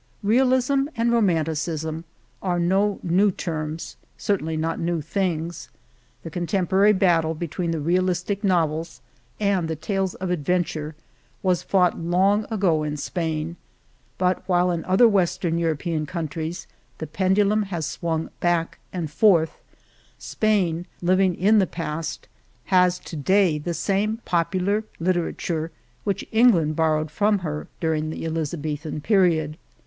Realism and Romanticism are no new terms — certainly not new things. The con temporary battle between the realistic novels and the tales of adventure was fought long ago in old Spain. But while in other west ern European countries the pendulum has since swung back and forth, Spain, living in the past, has to day the same popular lit erature which England borrowed from her during the Elizabethan period.